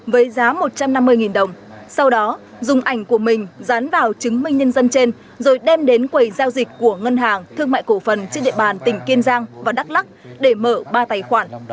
với giá một trăm năm mươi đồng sau đó dùng ảnh của mình dán vào chứng minh nhân dân trên rồi đem đến quầy giao dịch của ngân hàng thương mại cổ phần trên địa bàn tỉnh kiên giang và đắk lắc để mở ba tài khoản